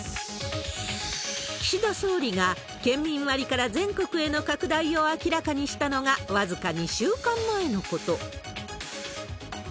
岸田総理が、県民割から全国への拡大を明らかにしたのが、僅か２週間前のこと。